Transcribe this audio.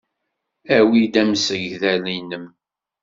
Awi-d amsegdal-nnem.